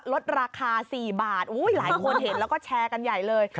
ลดราคา๔บาทหลายคนเห็นแล้วก็แชร์กันใหญ่เลย